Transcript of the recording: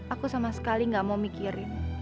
aku sama sekali gak mau mikirin